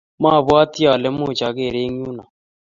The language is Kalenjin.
mabwatii ale much ager eng yu no.